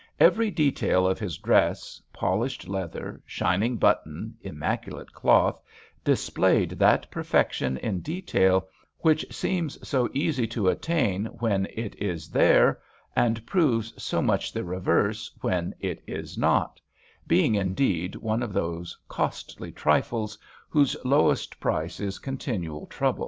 Every detail of his dress, polished leather, shining button, im maculate cloth, displayed that perfection in detail which seems so easy to attain when it is there, and proves so much the reverse when it is not, being indeed one of those costly trifles whose lowest price is continual trouble.